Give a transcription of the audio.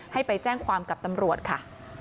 ให้ไปแจ้งความกับตำรวจค่ะ